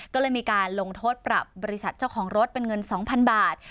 ก็เลยมีการลงโทษปรับบริษัทเจ้าของรถเป็นเงิน๒๐๐๐บาท